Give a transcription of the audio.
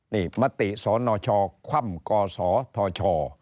นี่มติสนชคว่ำกศธช